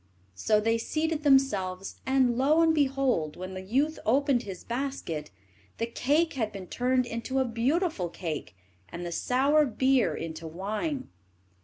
So they seated themselves, and, lo and behold, when the youth opened his basket, the cake had been turned into a beautiful cake, and the sour beer into wine.